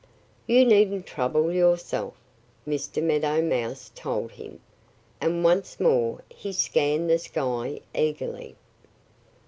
"You needn't trouble yourself," Mr. Meadow Mouse told him. And once more he scanned the sky eagerly.